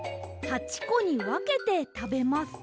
８こにわけてたべます。